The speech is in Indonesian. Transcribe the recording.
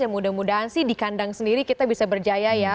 ya mudah mudahan sih di kandang sendiri kita bisa berjaya ya